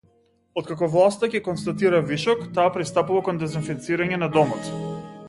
Откако власта ќе констатира вишок, таа пристапува кон дезинфицирање на домот.